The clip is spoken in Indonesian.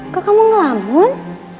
kok kamu ngelamun